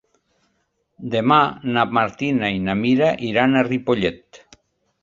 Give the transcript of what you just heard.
Demà na Martina i na Mira iran a Ripollet.